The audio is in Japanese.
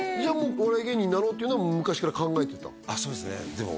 お笑い芸人になろうっていうのは昔から考えてた？